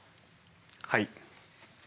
はい。